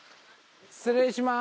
失礼します！